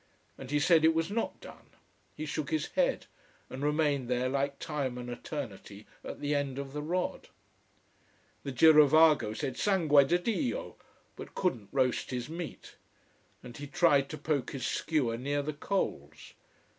And he said it was not done. He shook his head, and remained there like time and eternity at the end of the rod. The girovago said Sangue di Dio, but couldn't roast his meat! And he tried to poke his skewer near the coals.